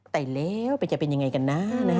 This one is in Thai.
แต่แล้วมันจะเป็นยังไงกันนะ